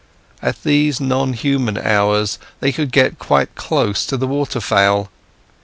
At these non human hours they could get quite close to the waterfowl.